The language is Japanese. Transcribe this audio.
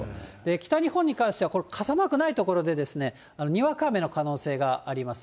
北日本に関しては傘マークのない所でにわか雨の可能性があります。